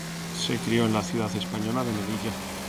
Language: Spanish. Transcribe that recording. Se crio en la ciudad española de Melilla.